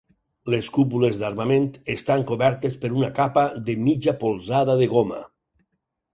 Les cúpules d'armament estan cobertes per una capa de mitja polzada de goma.